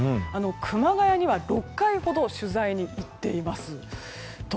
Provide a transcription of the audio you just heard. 熊谷には６回ほど取材に行っています。